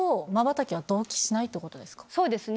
そうですね。